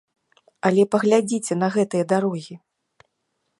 Але паглядзіце на гэтыя дарогі!